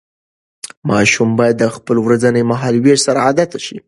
ماشوم باید د خپل ورځني مهالوېش سره عادت شي.